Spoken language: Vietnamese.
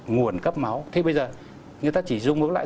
người ta chỉ dung nó lại